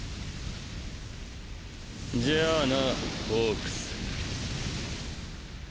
じゃあなホークス。